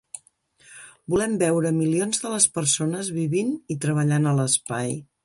Volem veure milions de les persones vivint i treballant a l'espai.